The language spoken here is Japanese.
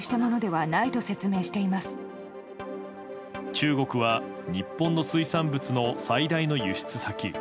中国は、日本の水産物の最大の輸出先。